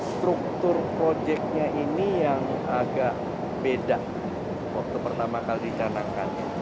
struktur projectnya ini yang agak beda waktu pertama kali dicanangkan